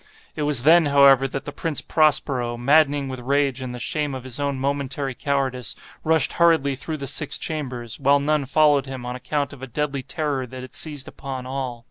It was then, however, that the Prince Prospero, maddening with rage and the shame of his own momentary cowardice, rushed hurriedly through the six chambers, while none followed him on account of a deadly terror that had seized upon all.